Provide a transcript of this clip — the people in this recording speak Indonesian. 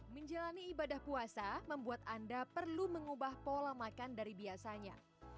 menjalani ibadah puasa membuat anda perlu mengubah pola makan dari biasanya